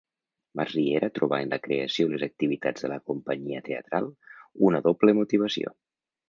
Masriera trobà en la creació i les activitats de la companyia teatral una doble motivació.